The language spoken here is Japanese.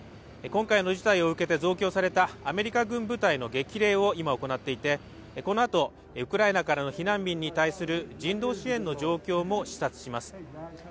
今回の事態を受けて増強されたアメリカ軍部隊の激励を今、行っていてこのあと、ウクライナからの避難民に対する人道支援の状況も視察します。